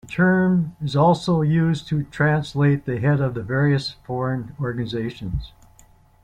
The term is also used to translate the head of various foreign organizations.